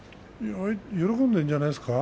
喜んでいるんじゃないですか。